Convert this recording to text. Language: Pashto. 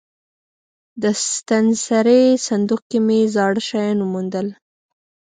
د ستنسرۍ صندوق کې مې زاړه شیان وموندل.